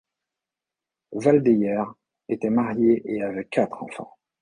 Waldeyer était marié et avait quatre enfants.